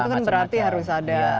itu kan berarti harus ada